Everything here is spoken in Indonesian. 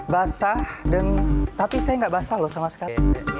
basah dan tapi saya nggak basah loh sama sekali